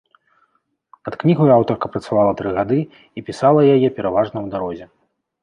Над кнігаю аўтарка працавала тры гады і пісала яе пераважна ў дарозе.